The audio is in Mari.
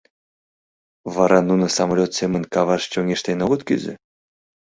Вара нуно самолёт семын каваш чоҥештен огыт кӱзӧ?